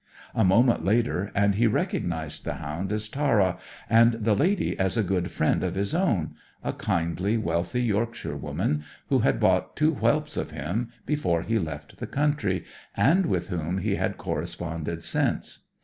A moment later, and he recognized the hound as Tara, and the lady as a good friend of his own, a kindly, wealthy Yorkshire woman who had bought two whelps of him before he left the country, and with whom he had corresponded since.